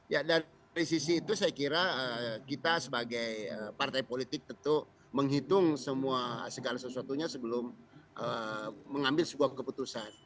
ya dari sisi itu saya kira kita sebagai partai politik tentu menghitung semua segala sesuatunya sebelum mengambil sebuah keputusan